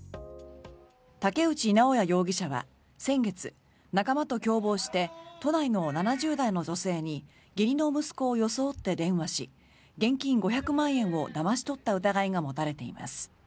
竹内直哉容疑者は先月仲間と共謀して都内の７０代の女性に義理の息子を装って電話し現金５００万円をだまし取った疑いが持たれています。